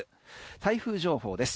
台風情報です。